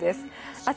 明日